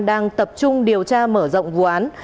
đang tập trung điều tra mở rộng vụ án